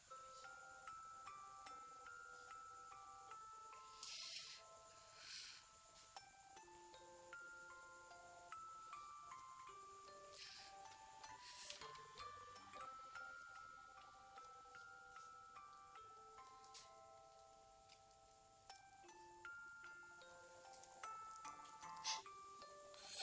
nanti aku akan beritahu